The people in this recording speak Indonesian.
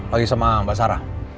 lagi sama mbak sarah